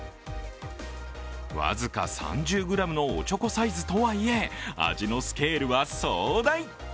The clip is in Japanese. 僅か３０ｇのおちょこサイズとはいえ味のスケールは壮大。